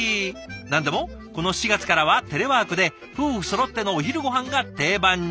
何でもこの４月からはテレワークで夫婦そろってのお昼ごはんが定番に。